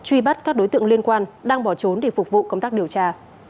truy bắt các đối tượng liên quan đang bỏ trốn để phục vụ công tác điều tra